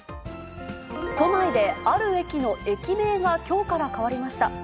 都内で、ある駅の駅名がきょうから変わりました。